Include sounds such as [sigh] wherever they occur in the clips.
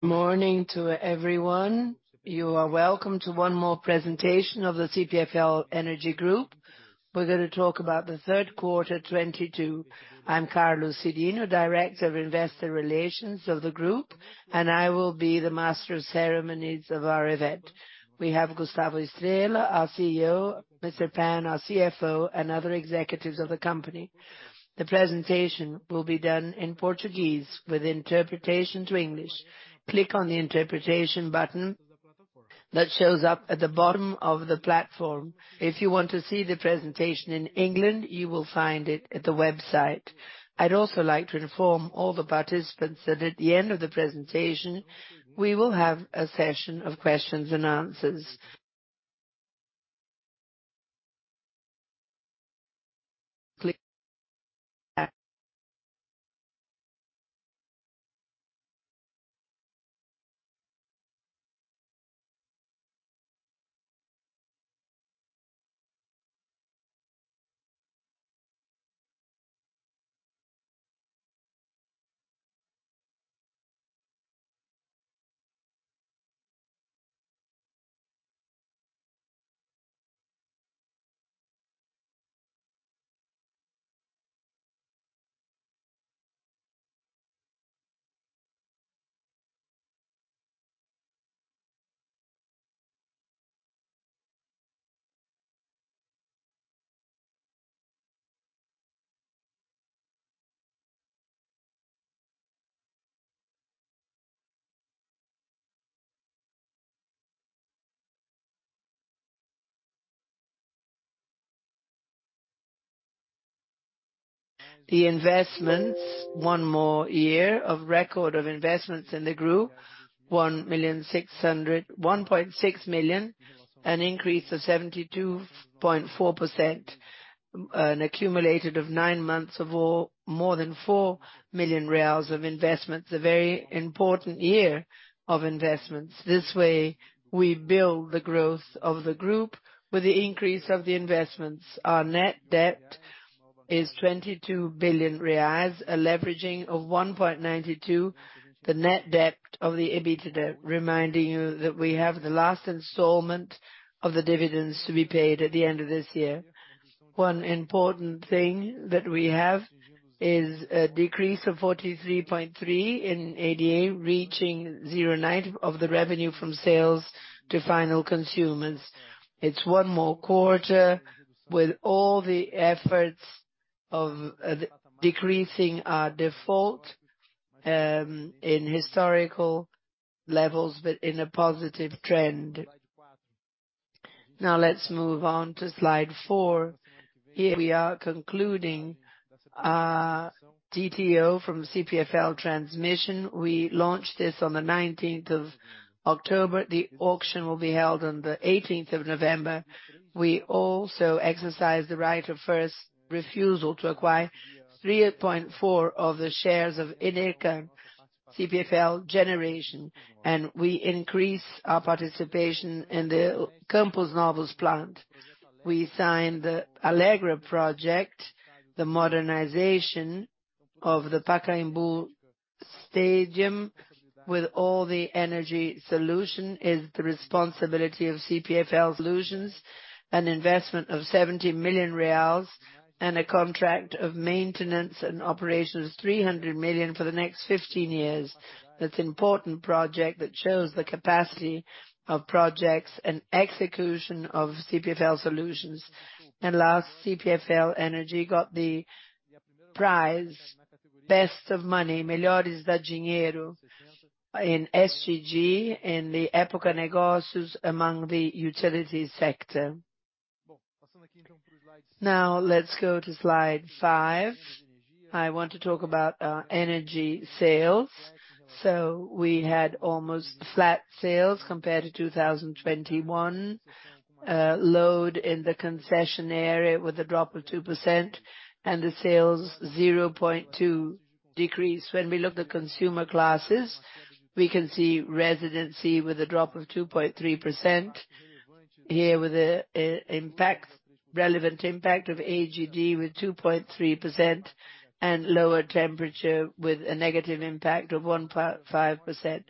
Morning to everyone. You are welcome to one more presentation of the CPFL Energia Group. We're gonna talk about the third quarter 2022. I'm Carlos Cyrino, Director of Investor Relations of the group, and I will be the master of ceremonies of our event. We have Gustavo Estrella, our CEO, Yuehui Pan, our CFO, and other executives of the company. The presentation will be done in Portuguese with interpretation to English. Click on the Interpretation button that shows up at the bottom of the platform. If you want to see the presentation in English, you will find it at the website. I'd also like to inform all the participants that at the end of the presentation, we will have a session of questions and answers. [audio distortion] The investments, one more year of record investments in the group, 1.6 million, an increase of 72.4%, an accumulated of nine months of all, more than 4 million reais of investments. A very important year of investments. This way, we build the growth of the group with the increase of the investments. Our net debt is BRL 22 billion, a leveraging of 1.92. The net debt to the EBITDA, reminding you that we have the last installment of the dividends to be paid at the end of this year. One important thing that we have is a decrease of 43.3% in PDD, reaching 0.9% of the revenue from sales to final consumers. It's one more quarter with all the efforts of decreasing our default in historical levels, but in a positive trend. Now let's move on to slide four. Here we are concluding our GTO from CPFL Transmissão. We launched this on the nineteenth of October. The auction will be held on the eighteenth of November. We also exercise the right of first refusal to acquire 3.4% of the shares of Enercan CPFL Geração, and we increase our participation in the Campos Novos plant. We signed the Allegra project, the modernization of the Pacaembu Stadium with all the energy solutions, is the responsibility of CPFL Soluções, an investment of 70 million reais and a contract of maintenance and operations, 300 million for the next 15 years. That's an important project that shows the capacity of projects and execution of CPFL Soluções. Last, CPFL Energia got the prize, Melhores da Dinheiro, in ESG, in the Época Negócios among the utility sector. Now let's go to slide five. I want to talk about our energy sales. We had almost flat sales compared to 2021. Load in the concession area with a drop of 2% and the sales 0.2% decrease. When we look at consumer classes, we can see residential with a drop of 2.3%. Here with a relevant impact of GD with 2.3% and lower temperature with a negative impact of 1.5%.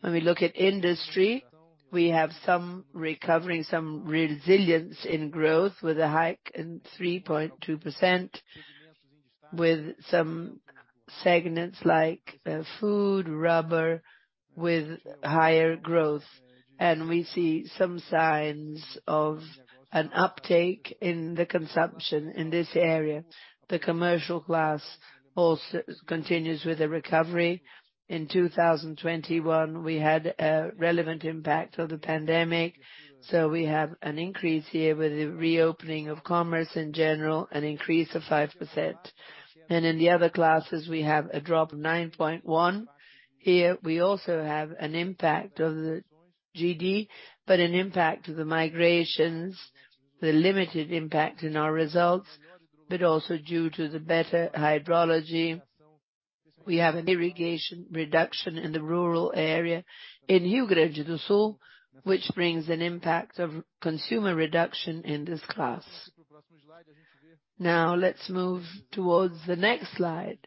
When we look at industry, we have some recovering, some resilience in growth with a hike in 3.2%, with some segments like food, rubber with higher growth. We see some signs of an uptake in the consumption in this area. The commercial class also continues with a recovery. In 2021, we had a relevant impact of the pandemic, so we have an increase here with the reopening of commerce in general, an increase of 5%. In the other classes, we have a drop of 9.1%. Here we also have an impact of the GD, but an impact to the migrations, the limited impact in our results, but also due to the better hydrology. We have an irrigation reduction in the rural area in Rio Grande do Sul, which brings an impact of consumer reduction in this class. Now let's move towards the next slide.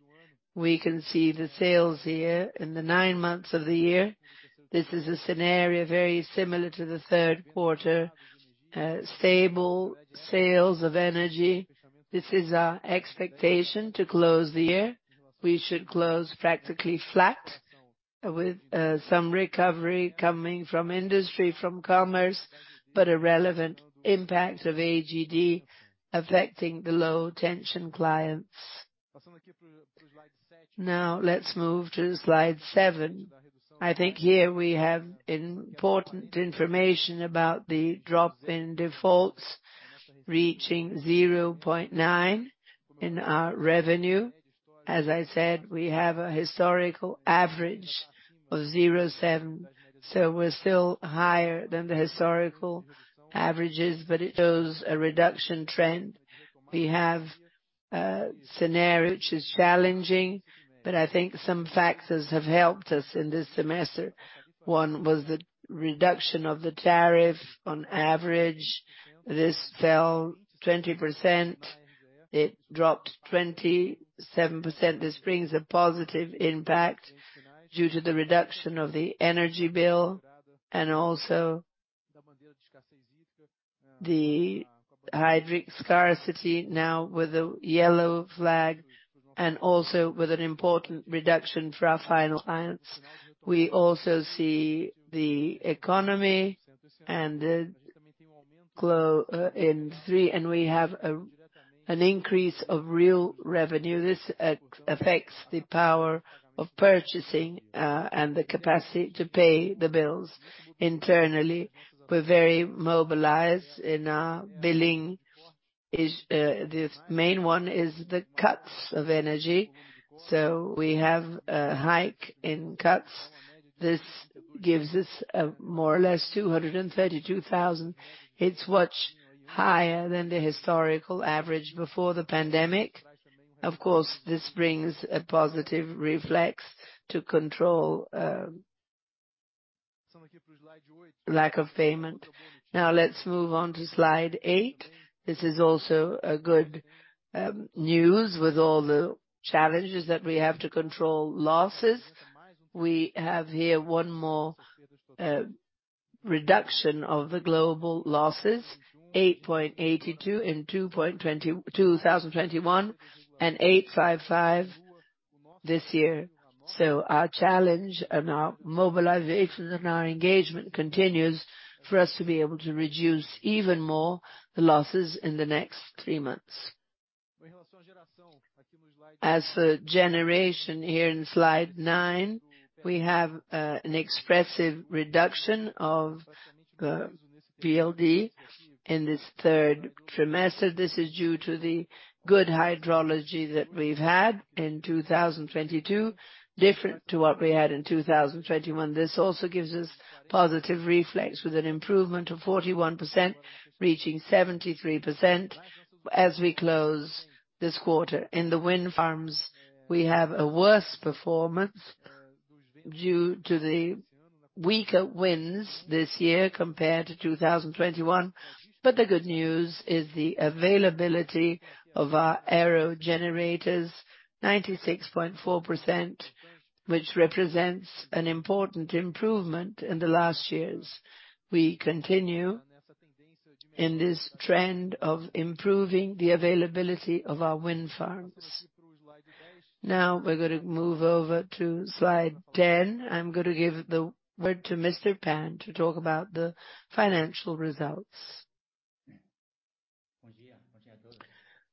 We can see the sales here in the 9 months of the year. This is a scenario very similar to the third quarter. Stable sales of energy. This is our expectation to close the year. We should close practically flat with some recovery coming from industry, from commerce, but a relevant impact of GD affecting the low tension clients. Now let's move to slide seven. I think here we have important information about the drop in defaults, reaching 0.9% in our revenue. As I said, we have a historical average of 0.7%, so we're still higher than the historical averages, but it shows a reduction trend. We have a scenario which is challenging, but I think some factors have helped us in this semester. One was the reduction of the tariff. On average, this fell 20%. It dropped 27%. This brings a positive impact due to the reduction of the energy bill and also the hydric scarcity now with a yellow flag and also with an important reduction for our final clients. We also see the economy and the global industry, and we have an increase of real revenue. This affects the power of purchasing, and the capacity to pay the bills internally. We're very mobilized in our billing. This mainly is the cuts of energy, so we have a hike in cuts. This gives us more or less 232,000. It's much higher than the historical average before the pandemic. Of course, this brings a positive effect to control lack of payment. Now let's move on to slide eight. This is also good news with all the challenges that we have to control losses. We have here one more reduction of the global losses, 8.82% in 2021, and 8.55% this year. Our challenge and our mobilization and our engagement continues for us to be able to reduce even more the losses in the next three months. As for generation, here in slide 9, we have an expressive reduction of the PLD in this third trimester. This is due to the good hydrology that we've had in 2022, different to what we had in 2021. This also gives us positive reflex with an improvement of 41%, reaching 73% as we close this quarter. In the wind farms, we have a worse performance due to the weaker winds this year compared to 2021. The good news is the availability of our aerogenerators, 96.4%, which represents an important improvement in the last years. We continue in this trend of improving the availability of our wind farms. Now we're gonna move over to slide 10. I'm gonna give the word to Mr. Pan to talk about the financial results.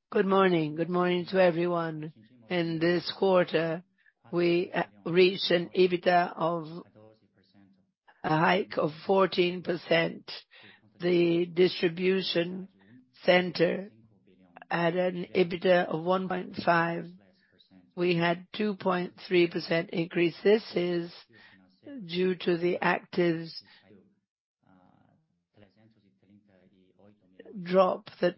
Good morning. Good morning to everyone. In this quarter, we reached an EBITDA of a hike of 14%. The distribution center at an EBITDA of 1.5%. We had 2.3% increase. This is due to the actives drop that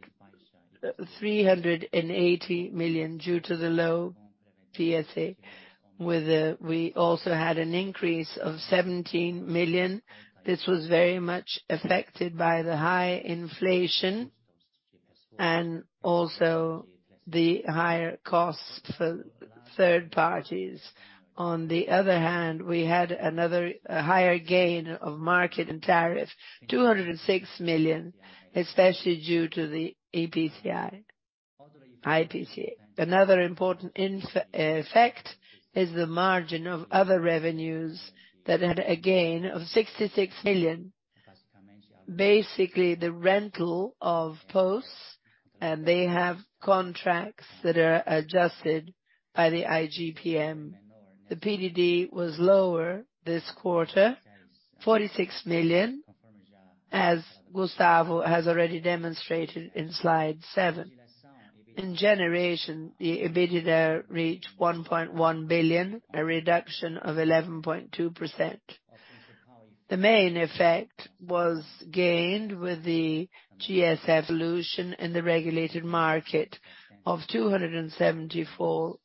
380 million due to the low PSA. We also had an increase of 17 million. This was very much affected by the high inflation and also the higher cost for third parties. On the other hand, we had a higher gain of market and tariff, 206 million, especially due to the IPCA, IGPM. Another important effect is the margin of other revenues that had a gain of 66 million. Basically, the rental of posts, and they have contracts that are adjusted by the IGPM. The PDD was lower this quarter, 46 million, as Gustavo has already demonstrated in slide seven. In generation, the EBITDA reached 1.1 billion, a reduction of 11.2%. The main effect was gained with the GSF solution in the regulated market of 274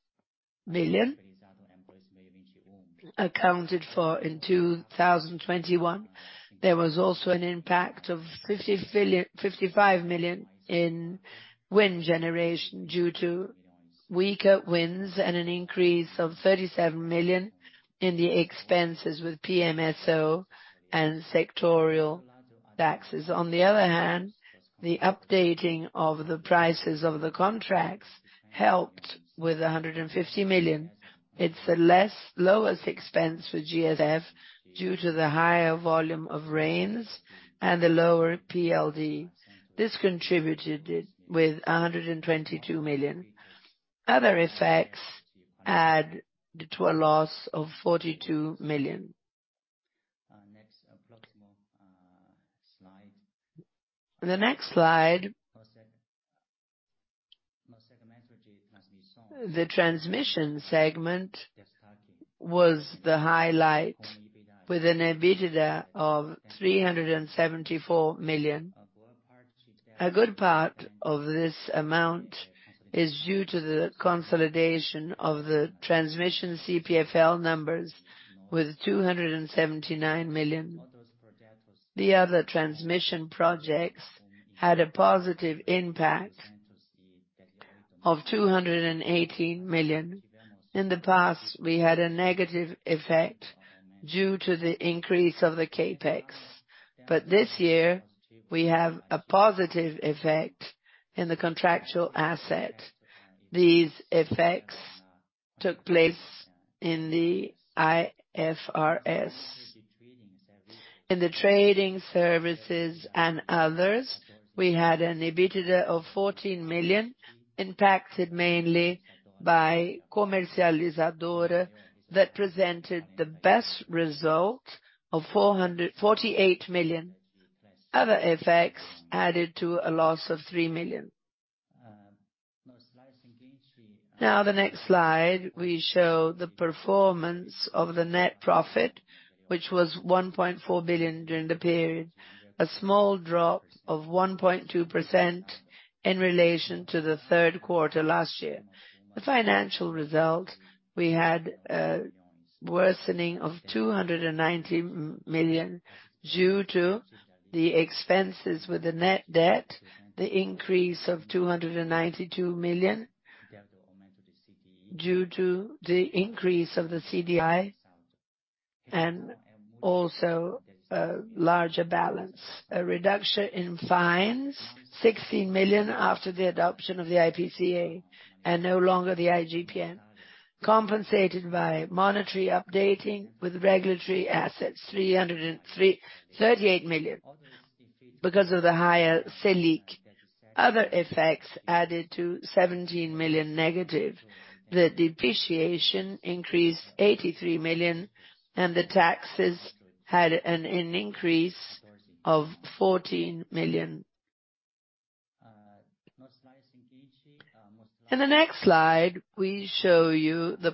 million, accounted for in 2021. There was also an impact of 55 million in wind generation due to weaker winds and an increase of 37 million in the expenses with PMSO and sectorial taxes. On the other hand, the updating of the prices of the contracts helped with 150 million. It's a lowest expense for GSF due to the higher volume of rains and the lower PLD. This contributed it with 122 million. Other effects add to a loss of 42 million. The next slide. The transmission segment was the highlight with an EBITDA of 374 million. A good part of this amount is due to the consolidation of the transmission CPFL numbers with 279 million. The other transmission projects had a positive impact of 218 million. In the past, we had a negative effect due to the increase of the CapEx, but this year we have a positive effect in the contractual asset. These effects took place in the IFRS. In the trading services and others, we had an EBITDA of 14 million, impacted mainly by Comercializadora that presented the best result of 448 million. Other effects added to a loss of 3 million. No slides in between three. Now the next slide, we show the performance of the net profit, which was 1.4 billion during the period. A small drop of 1.2% in relation to the third quarter last year. The financial result, we had a worsening of 290 million due to the expenses with the net debt, the increase of 292 million due to the increase of the CDI and also a larger balance. A reduction in fines, 60 million after the adoption of the IPCA and no longer the IGPM, compensated by monetary updating with regulatory assets, 338 million because of the higher Selic. Other effects added to -17 million. The depreciation increased 83 million, and the taxes had an increase of 14 million. In the next slide, we show you the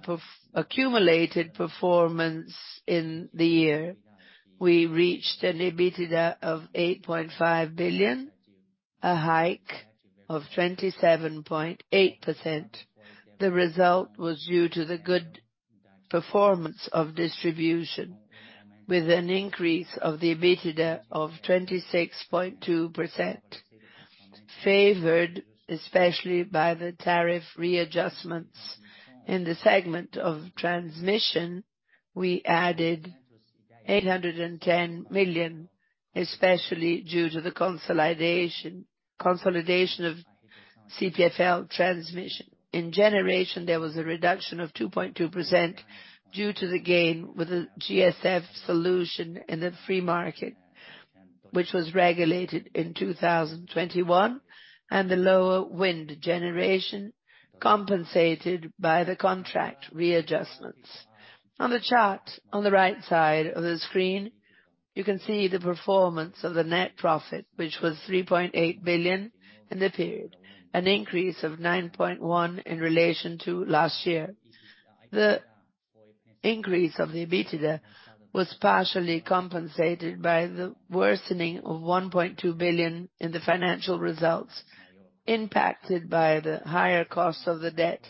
accumulated performance in the year. We reached an EBITDA of 8.5 billion, a hike of 27.8%. The result was due to the good performance of distribution, with an increase of the EBITDA of 26.2%, favored especially by the tariff readjustments. In the segment of transmission, we added 810 million, especially due to the consolidation of CPFL Transmissão. In generation, there was a reduction of 2.2% due to the gain with the GSF solution in the free market, which was regulated in 2021, and the lower wind generation compensated by the contract readjustments. On the chart on the right side of the screen, you can see the performance of the net profit, which was 3.8 billion in the period, an increase of 9.1% in relation to last year. The increase of the EBITDA was partially compensated by the worsening of 1.2 billion in the financial results impacted by the higher cost of the debt.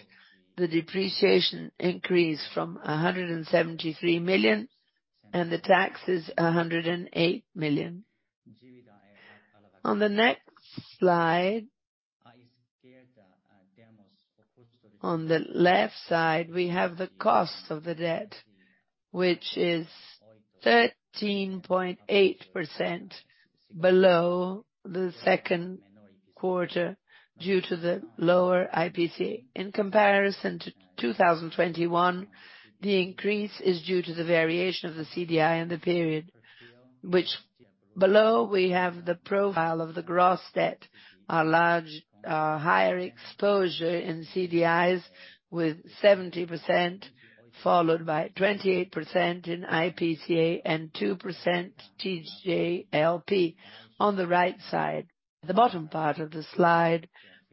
The depreciation increased from 173 million, and the tax is 108 million. On the next slide, on the left side, we have the cost of the debt, which is 13.8% below the second quarter due to the lower IPCA. In comparison to 2021, the increase is due to the variation of the CDI in the period, which below we have the profile of the gross debt, a large higher exposure in CDIs with 70%, followed by 28% in IPCA and 2% TJLP. On the right side, the bottom part of the slide,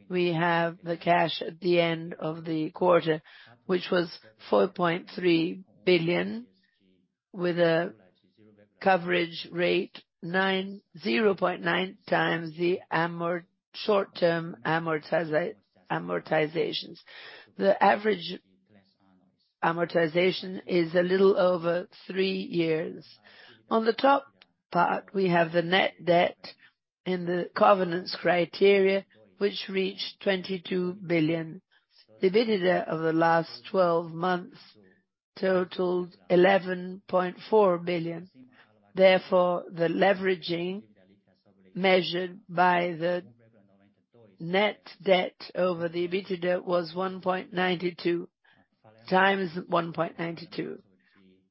we have the cash at the end of the quarter, which was 4.3 billion, with a coverage rate 0.9x the short-term amortizations. The average amortization is a little over three years. On the top part, we have the net debt in the covenants criteria, which reached 22 billion. The EBITDA of the last twelve months totaled 11.4 billion. Therefore, the leveraging measured by the net debt over the EBITDA was 1.92x.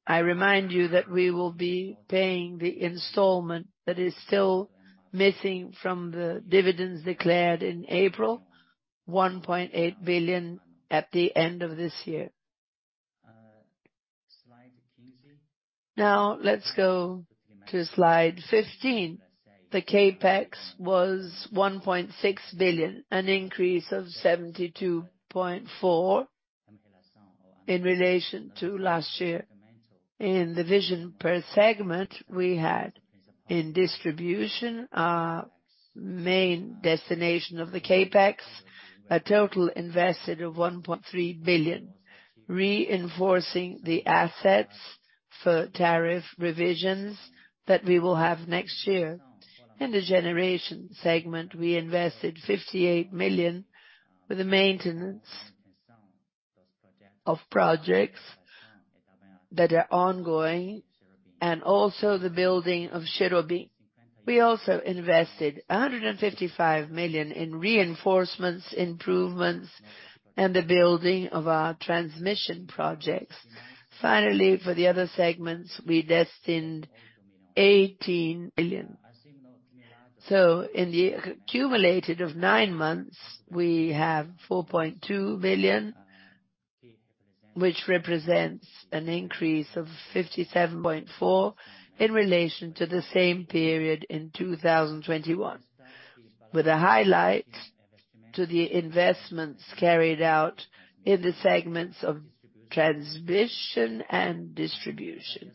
I remind you that we will be paying the installment that is still missing from the dividends declared in April, 1.8 billion at the end of this year. Now, let's go to slide 15. The CapEx was 1.6 billion, an increase of 72.4% in relation to last year. In the division per segment we had, in distribution, our main destination of the CapEx, a total invested of 1.3 billion, reinforcing the assets for tariff revisions that we will have next year. In the generation segment, we invested 58 million with the maintenance of projects that are ongoing and also the building of Lúcia Cherobim. We also invested 155 million in reinforcements, improvements, and the building of our transmission projects. Finally, for the other segments, we destined 18 million. In the accumulated of nine months, we have 4.2 billion, which represents an increase of 57.4% in relation to the same period in 2021, with a highlight to the investments carried out in the segments of transmission and distribution.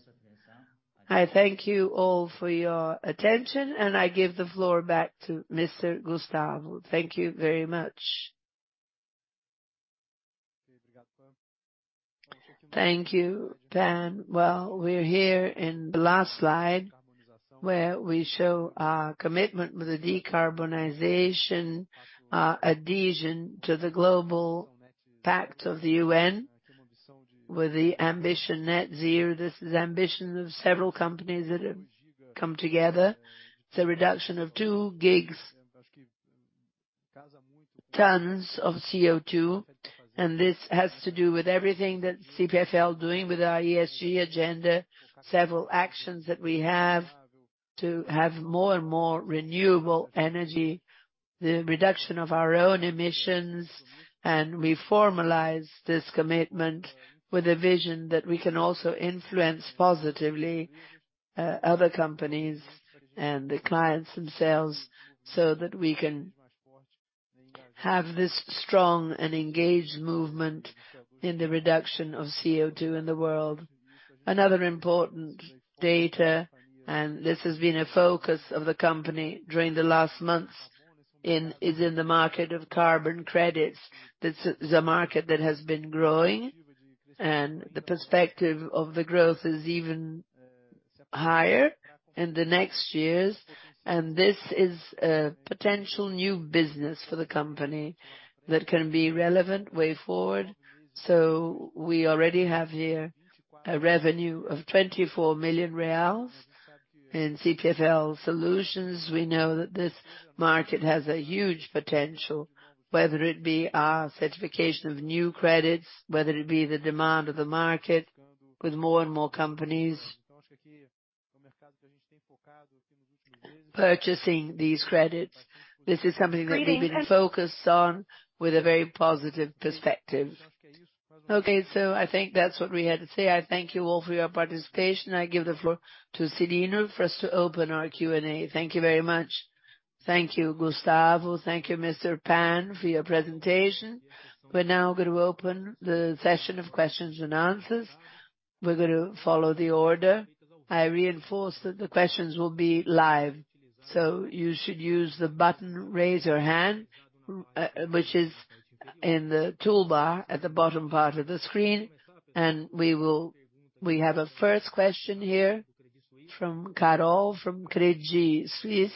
I thank you all for your attention, and I give the floor back to Mr. Gustavo. Thank you very much. Thank you, Pan. Well, we're here in the last slide, where we show our commitment with the decarbonization, adhesion to the global pact of the UN with the ambition net zero. This is ambition of several companies that have come together. It's a reduction of two gigatons of CO2, and this has to do with everything that CPFL doing with our ESG agenda, several actions that we have to have more and more renewable energy, the reduction of our own emissions, and we formalize this commitment with a vision that we can also influence positively other companies and the clients themselves, so that we can have this strong and engaged movement in the reduction of CO2 in the world. Another important data, and this has been a focus of the company during the last months is in the market of carbon credits. This is a market that has been growing, and the perspective of the growth is even higher in the next years. This is a potential new business for the company that can be relevant way forward. We already have here a revenue of 24 million reais in CPFL Soluções. We know that this market has a huge potential, whether it be our certification of new credits, whether it be the demand of the market with more and more companies purchasing these credits. This is something that we've been focused on with a very positive perspective. Okay, I think that's what we had to say. I thank you all for your participation. I give the floor to Carlos Cyrino for us to open our Q&A. Thank you very much. Thank you, Gustavo Estrella. Thank you, Mr. Pan, for your presentation. We're now going to open the session of questions and answers. We're gonna follow the order. I reinforce that the questions will be live, so you should use the button, Raise Your Hand, which is in the toolbar at the bottom part of the screen, and we will have a first question here from Carol from Credit Suisse.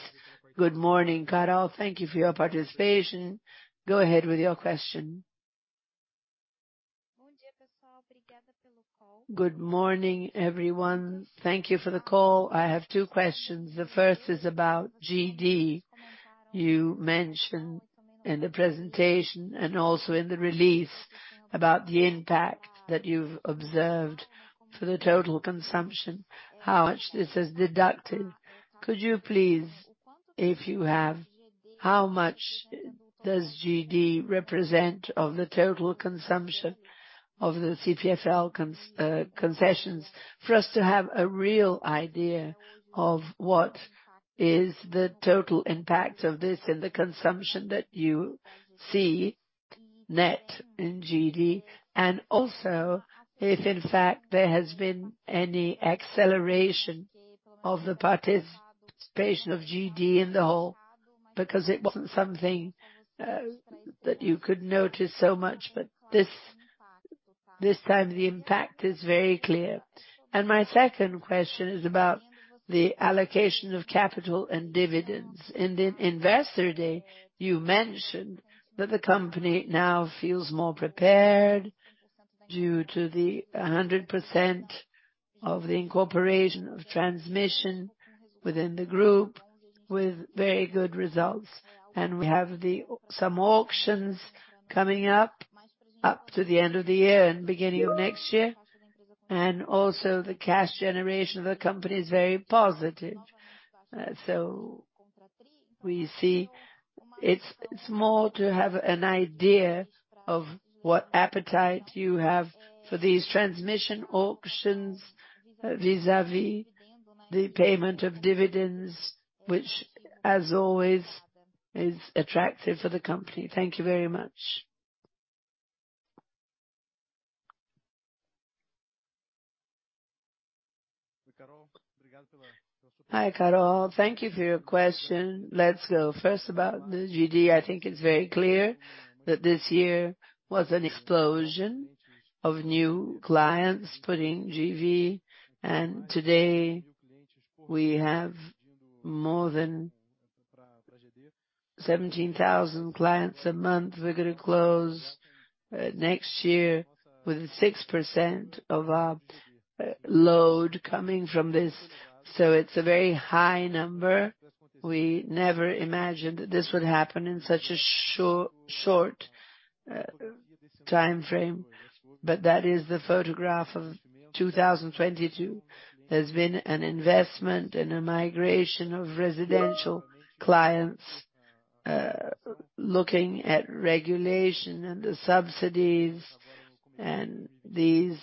Good morning, Carol. Thank you for your participation. Go ahead with your question. Good morning, everyone. Thank you for the call. I have two questions. The first is about GD. You mentioned in the presentation and also in the release about the impact that you've observed for the total consumption, how much this is deducted? Could you please, if you have, how much does GD represent of the total consumption of the CPFL concessions for us to have a real idea of what is the total impact of this in the consumption that you see net in GD, and also if in fact there has been any acceleration of the participation of GD in the whole, because it wasn't something that you could notice so much, but this time the impact is very clear. My second question is about the allocation of capital and dividends. In the Investor Day, you mentioned that the company now feels more prepared due to the 100% of the incorporation of transmission within the group with very good results. We have some auctions coming up to the end of the year and beginning of next year. Also the cash generation of the company is very positive. We see, it's more to have an idea of what appetite you have for these transmission auctions vis-à-vis the payment of dividends, which as always, is attractive for the company. Thank you very much. Hi, Carol. Thank you for your question. Let's go. First about the GD, I think it's very clear that this year was an explosion of new clients putting in GD. Today, we have more than 17,000 clients a month. We're gonna close next year with 6% of our load coming from this. It's a very high number. We never imagined that this would happen in such a short timeframe, but that is the photograph of 2022. There's been an investment and a migration of residential clients, looking at regulation and the subsidies, and these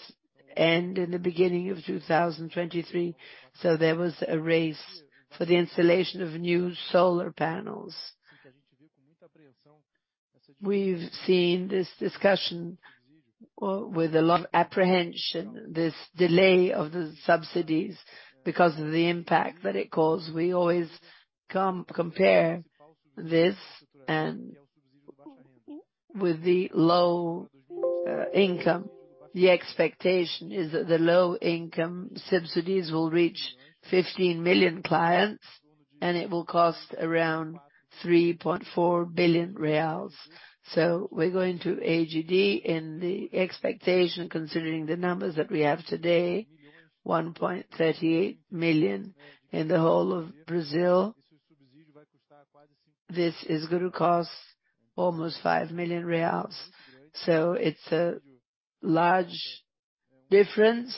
end in the beginning of 2023. There was a race for the installation of new solar panels. We've seen this discussion with a lot of apprehension. This delay of the subsidies because of the impact that it cause. We always compare this and with the low income. The expectation is that the low income subsidies will reach 15 million clients, and it will cost around 3.4 billion reais. We're going to bear the GD in the expectation, considering the numbers that we have today, 1.38 million in the whole of Brazil. This is gonna cost almost 5 million reais. It's a large difference,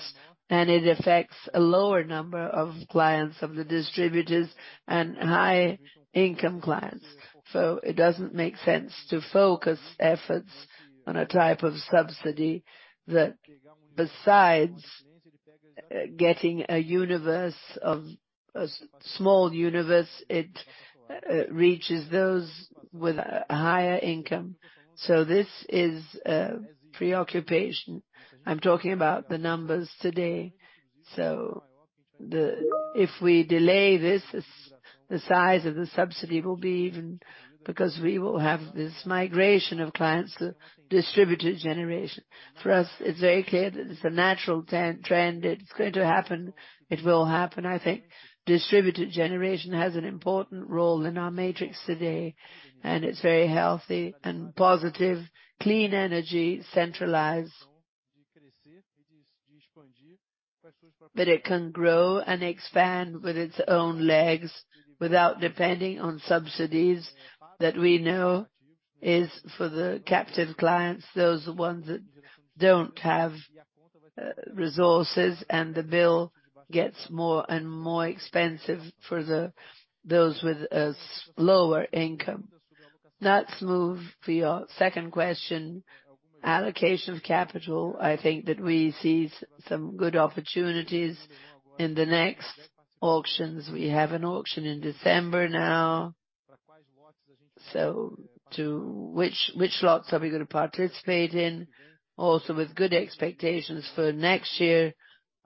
and it affects a lower number of clients of the distributors and high income clients. It doesn't make sense to focus efforts on a type of subsidy that besides getting a universe of a small universe, it reaches those with higher income. This is a preoccupation. I'm talking about the numbers today. If we delay this, the size of the subsidy will be even because we will have this migration of clients, the distributed generation. For us, it's very clear that it's a natural trend. It's going to happen. It will happen, I think. Distributed generation has an important role in our matrix today, and it's very healthy and positive, clean energy, centralized. But it can grow and expand with its own legs without depending on subsidies that we know is for the captive clients, those are ones that don't have resources, and the bill gets more and more expensive for those with lower income. Let's move to your second question, allocation of capital. I think that we see some good opportunities in the next auctions. We have an auction in December now. To which slots are we gonna participate in? Also with good expectations for next year,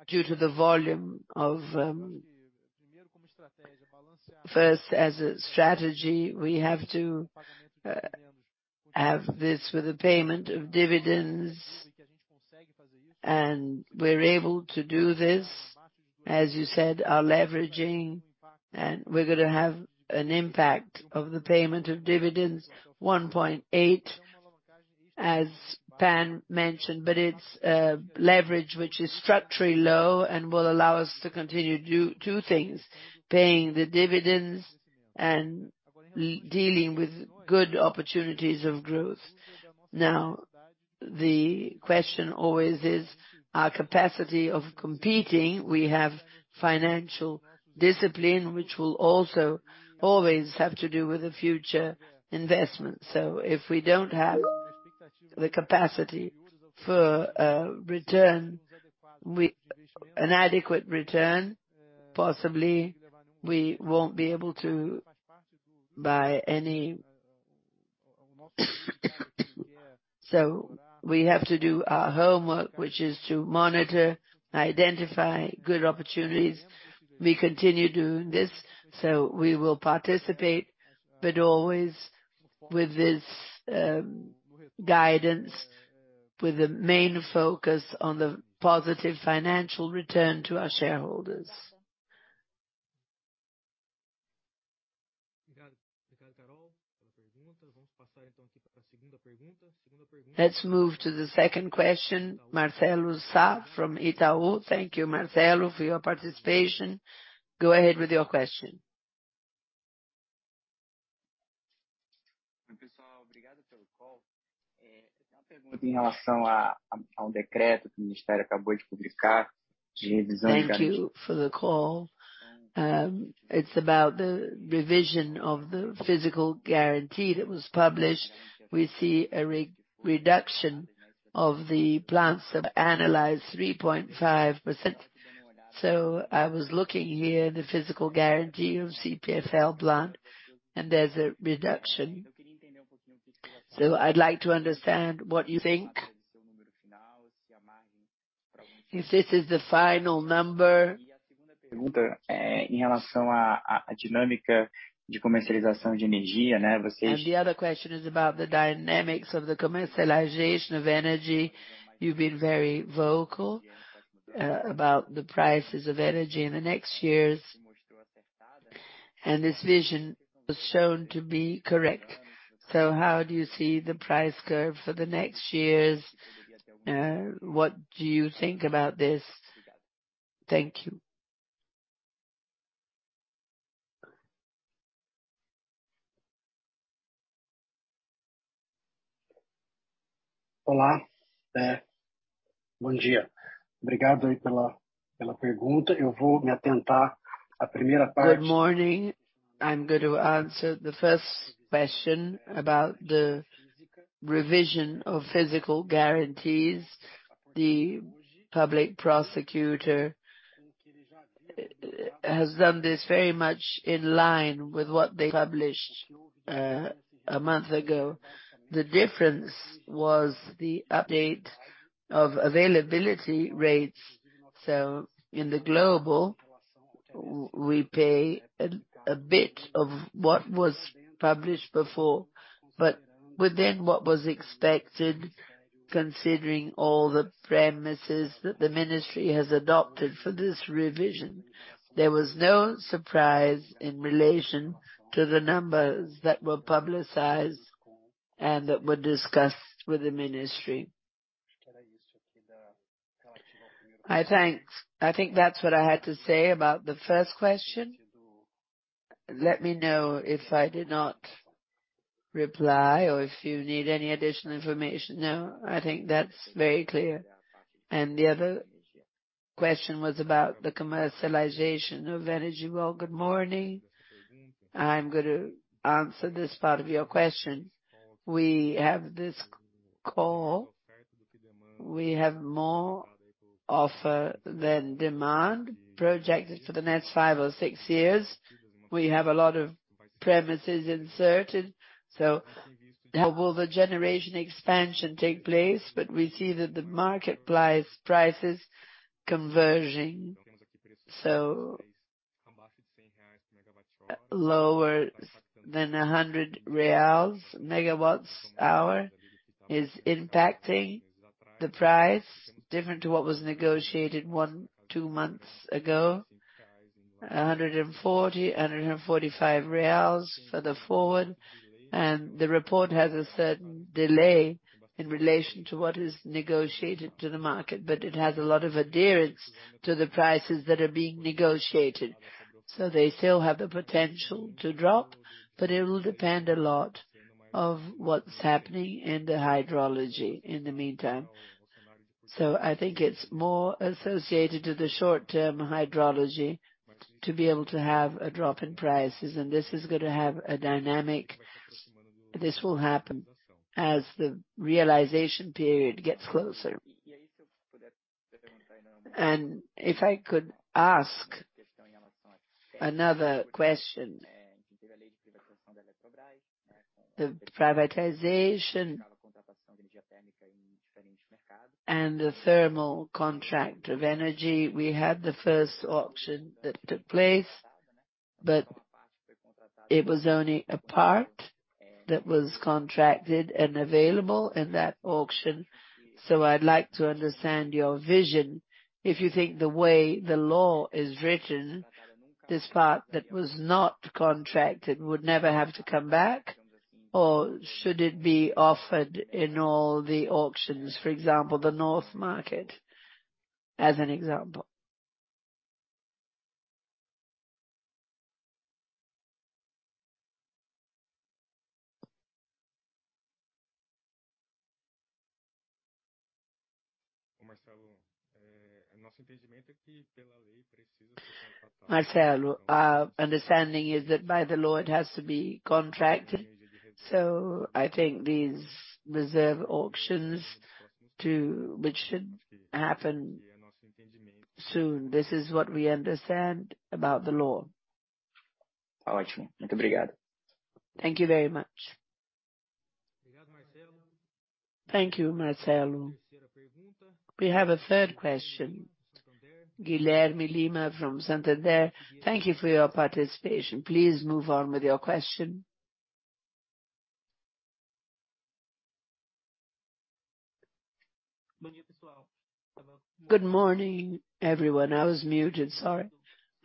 due to the volume of, first as a strategy, we have to have this with the payment of dividends, and we're able to do this, as you said, our leveraging, and we're gonna have an impact of the payment of dividends, 1.8%, as Pan mentioned, but it's leverage, which is structurally low and will allow us to continue do two things, paying the dividends and dealing with good opportunities of growth. Now, the question always is our capacity of competing. We have financial discipline, which will also always have to do with the future investment. If we don't have the capacity for an adequate return, possibly we won't be able to buy any. We have to do our homework, which is to monitor, identify good opportunities. We continue doing this, so we will participate, but always with this guidance, with the main focus on the positive financial return to our shareholders. Let's move to the second question. Marcelo Sá from Itaú. Thank you, Marcelo, for your participation. Go ahead with your question. Thank you for the call. It's about the revision of the physical guarantee that was published. We see a reduction of 3.5%. I was looking here at the physical guarantee of CPFL's plants, and there's a reduction. I'd like to understand what you think if this is the final number? The other question is about the dynamics of the commercialization of energy. You've been very vocal, about the prices of energy in the next years, and this vision was shown to be correct. How do you see the price curve for the next years? What do you think about this? Thank you. Good morning. I'm going to answer the first question about the revision of physical guarantees. The public prosecutor has done this very much in line with what they published, a month ago. The difference was the update of availability rates. In the global, we pay a bit of what was published before, but within what was expected, considering all the premises that the ministry has adopted for this revision. There was no surprise in relation to the numbers that were publicized and that were discussed with the ministry. I think that's what I had to say about the first question. Let me know if I did not reply or if you need any additional information. No, I think that's very clear. The other question was about the commercialization of energy. Well, good morning. I'm going to answer this part of your question. We have this call. We have more offer than demand projected for the next 5 years or 6 years. We have a lot of premises inserted. So how will the generation expansion take place? We see that the marketplace prices converging, so lower than 100 reais/MWh is impacting the price, different to what was negotiated one, two months ago. 140, 145 reais for the forward. The report has a certain delay in relation to what is negotiated to the market, but it has a lot of adherence to the prices that are being negotiated. They still have the potential to drop, but it will depend a lot on what's happening in the hydrology in the meantime. I think it's more associated to the short-term hydrology to be able to have a drop in prices, and this is gonna have a dynamic. This will happen as the realization period gets closer. If I could ask another question. The privatization and the thermal contract of energy, we had the first auction that took place, but it was only a part that was contracted and available in that auction. I'd like to understand your vision. If you think the way the law is written, this part that was not contracted would never have to come back, or should it be offered in all the auctions, for example, the north market as an example. Marcelo, our understanding is that by the law, it has to be contracted. I think these reserve auctions which should happen soon. This is what we understand about the law. Oh, actually. Thank you very much. Thank you, Marcelo. We have a third question. Guilherme Lima from Santander. Thank you for your participation. Please move on with your question. Good morning, everyone. I was muted. Sorry.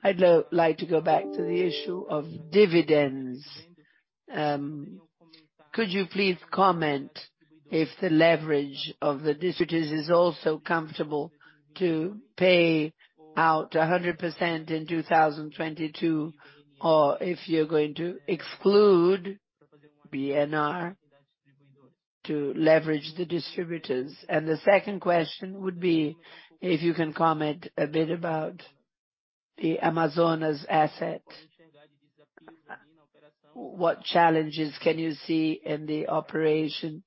I'd like to go back to the issue of dividends. Could you please comment if the leverage of the distributors is also comfortable to pay out 100% in 2022 or if you're going to exclude VNR to leverage the distributors? The second question would be if you can comment a bit about the Amazonas asset. What challenges can you see in the operation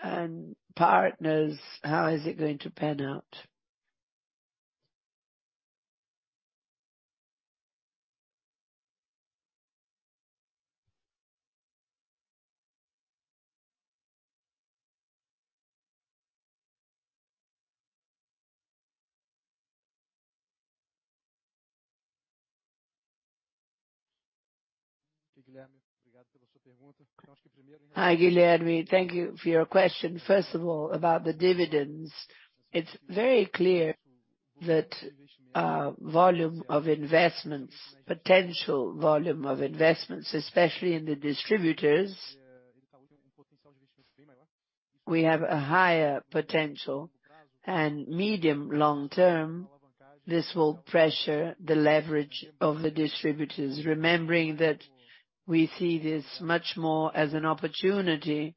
and partners? How is it going to pan out? Hi, Guilherme. Thank you for your question. First of all, about the dividends, it's very clear that our potential volume of investments, especially in the distributors, we have a higher potential and medium long-term, this will pressure the leverage of the distributors. Remembering that we see this much more as an opportunity.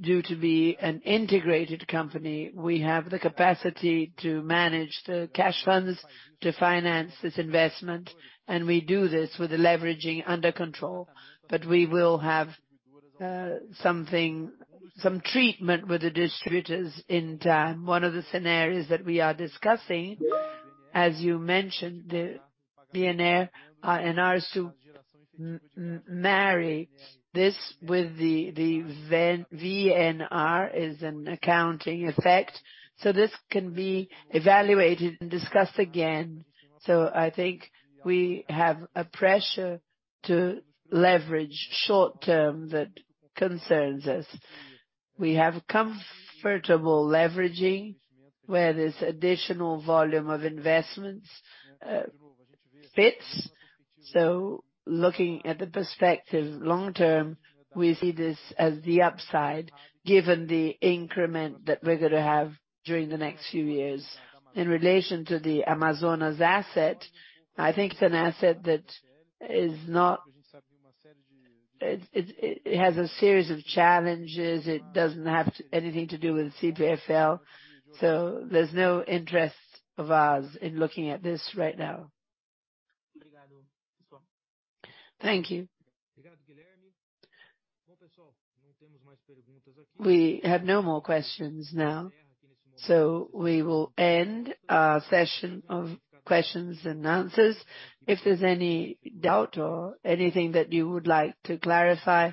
Due to be an integrated company, we have the capacity to manage the cash funds to finance this investment, and we do this with the leveraging under control. We will have some treatment with the distributors in time. One of the scenarios that we are discussing, as you mentioned, the VNR, and also marry this with the VNR is an accounting effect. This can be evaluated and discussed again. I think we have a pressure to leverage short-term that concerns us. We have comfortable leveraging where this additional volume of investments fits. Looking at the perspective long-term, we see this as the upside, given the increment that we're gonna have during the next few years. In relation to the Amazonas asset, I think it's an asset that is not. It has a series of challenges. It doesn't have anything to do with CPFL, so there's no interest of ours in looking at this right now. Thank you. We have no more questions now, so we will end our session of questions and answers. If there's any doubt or anything that you would like to clarify,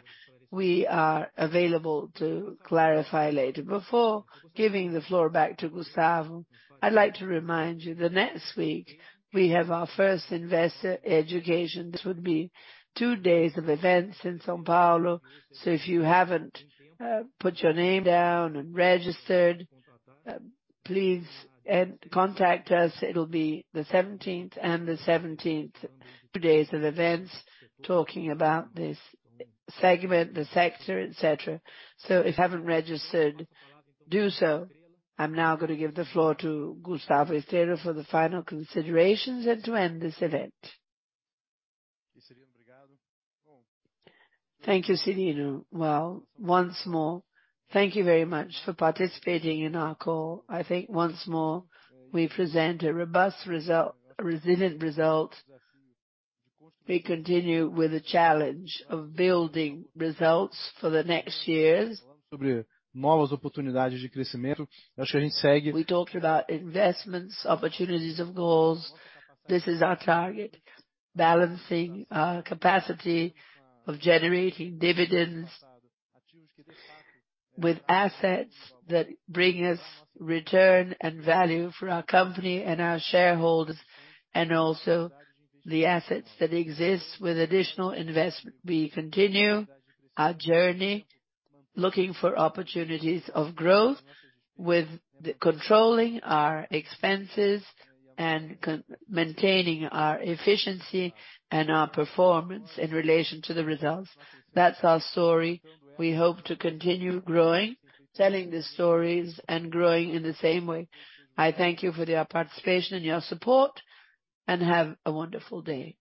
we are available to clarify later. Before giving the floor back to Gustavo Estrella, I'd like to remind you that next week we have our first investor education. This would be two days of events in São Paulo. If you haven't put your name down and registered, please contact us. It'll be the 17th and the 18th, two days of events talking about this segment, the sector, et cetera. If you haven't registered, do so. I'm now gonna give the floor to Gustavo Estrella for the final considerations and to end this event. Thank you, Cyrino.Well, once more, thank you very much for participating in our call. I think once more we present a robust result, a resilient result. We continue with the challenge of building results for the next years. We talked about investments, opportunities of goals. This is our target, balancing our capacity of generating dividends with assets that bring us return and value for our company and our shareholders, and also the assets that exist with additional investment. We continue our journey looking for opportunities of growth with controlling our expenses and maintaining our efficiency and our performance in relation to the results. That's our story. We hope to continue growing, telling the stories and growing in the same way. I thank you for your participation and your support, and have a wonderful day.